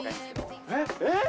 えっ？